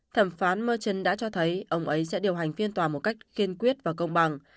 thẩm phán merton đã cho thấy ông ấy sẽ điều hành phiên tòa một cách kiên quyết và công bằng